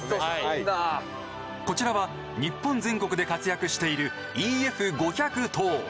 こちらは日本全国で活躍しているＥＦ５１０。